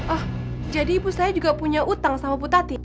oh jadi ibu saya juga punya hutang sama putati